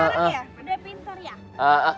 udah pinter ya